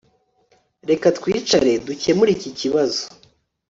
Reka twicare dukemure iki kibazo